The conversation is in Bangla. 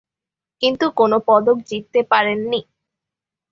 কিন্তু কোন পদক জিততে পারেনি।